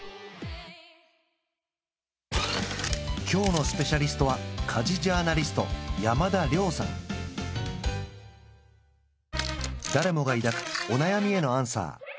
今日のスペシャリストは誰もが抱くお悩みへのアンサー